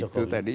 ya itu tadi